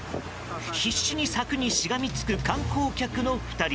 必死に柵にしがみつく観光客の２人。